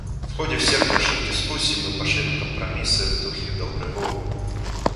В ходе всех наших дискуссий мы пошли на компромиссы в духе доброй воли.